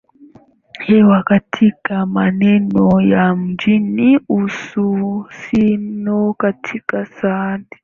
hewa katika maeneo ya mijini Uhusiano kati ya Sayansi